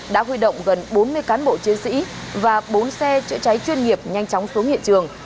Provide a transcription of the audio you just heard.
đã huy động gần bốn mươi cán bộ chiến sĩ và bốn xe chữa cháy chuyên nghiệp nhanh chóng xuống hiện trường